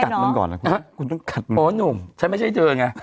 คุณต้องกัดมันก่อนนะครับคุณต้องกัดมันก่อนโอ้หนุ่มฉันไม่ใช่เจอไง